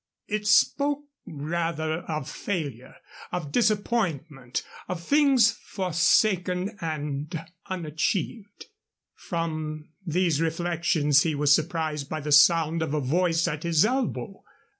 It spoke rather of failure, of disappointment, of things forsaken and unachieved. From these reflections he was surprised by the sound of a voice at his elbow.